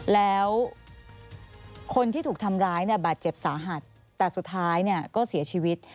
แล้วคนที่ถูกทำร้ายเนี่ยบาดเจ็บสาหัสแต่สุดท้ายเนี่ยก็เสียชีวิต